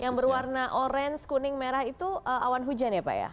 yang berwarna orange kuning merah itu awan hujan ya pak ya